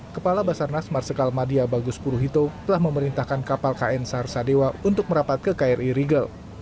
kepala basarnas marsikal madia bagus puruhito telah memerintahkan kapal kn sarsadewa untuk merapat ke kri rigel